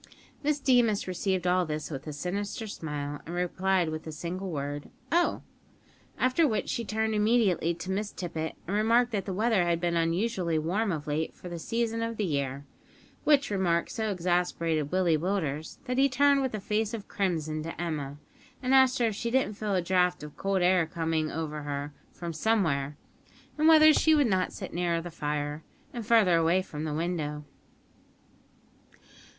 Miss Deemas received all this with a sinister smile, and replied with the single word, "Oh!" after which she turned immediately to Miss Tippet, and remarked that the weather had been unusually warm of late for the season of the year, which remark so exasperated Willie Willders that he turned with a face of crimson to Emma, and asked her if she didn't feel a draught of cold air coming over her from somewhere, and whether she would not sit nearer the fire, and farther away from the window!